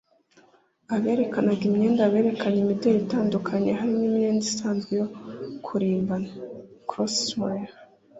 Aberekanaga imyenda berekanye imideri itandukanye harimo imyenda isanzwe yo kurimbana (casual wear)